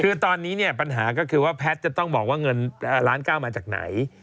คือตอนนี้เนี่ยปัญหาก็คือว่าแพทย์จะต้องบอกว่าเงินล้านเก้ามาจากไหน